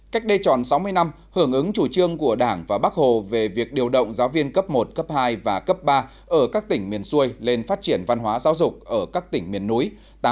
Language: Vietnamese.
cách đê chọn sáu mươi năm hưởng ứng chủ trương của đảng và bắc hồ về việc điều động giáo viên cấp một cấp hai và cấp ba ở các tỉnh miền xuôi lên phát triển văn hóa giáo dục ở các tỉnh miền núi